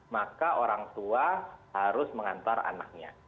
maka orang tua harus mengantar anaknya